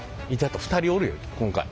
２人おるよ今回。